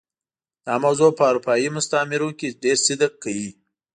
دا موضوع په اروپايي مستعمرو کې ډېر صدق کوي.